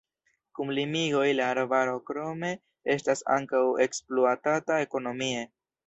Kun limigoj la arbaro krome estas ankaŭ ekspluatata ekonomie.